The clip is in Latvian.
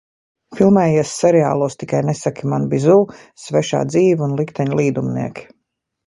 "Filmējies seriālos "Tikai nesaki man Bizu", "Svešā dzīve" un "Likteņa līdumnieki"."